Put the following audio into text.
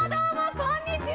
こんにちは！